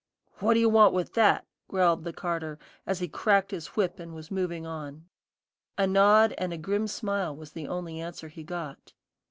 "What do you want with that?" growled the carter, as he cracked his whip and was moving on. A nod and a grim smile was the only answer he got.